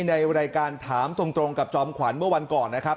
ในรายการถามตรงกับจอมขวัญเมื่อวันก่อนนะครับ